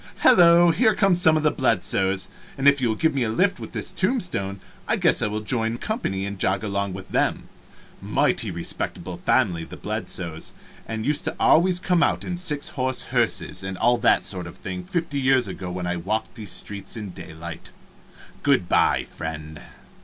Hello, here are some of the Bledsoes, and if you will give me a lift with this tombstone I guess I will join company and jog along with them mighty respectable old family, the Bledsoes, and used to always come out in six horse hearses and all that sort of thing fifty years ago when I walked these streets in daylight. Good by, friend."